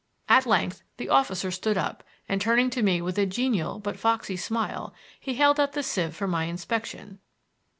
At length the officer stood up, and turning to me with a genial but foxy smile, held out the sieve for my inspection.